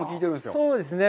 そうですね。